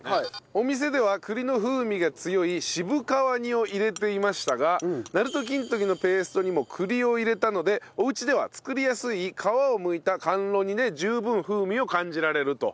お店では栗の風味が強い渋皮煮を入れていましたが鳴門金時のペーストにも栗を入れたのでおうちでは作りやすい皮をむいた甘露煮で十分風味を感じられると。